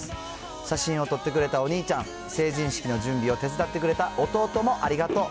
写真を撮ってくれたお兄ちゃん、成人式の準備を手伝ってくれた弟もありがとう。